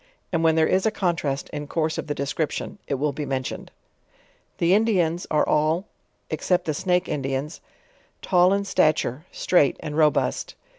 And; when there is a contrast in course of the description, it will be mentioned. The Indians are all (except the Snake Indians) tall in sta ture, straight and robust.